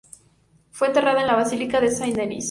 Fue enterrada en la Basílica de Saint-Denis.